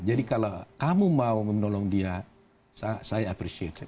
jadi kalau kamu mau menolong dia saya menghargai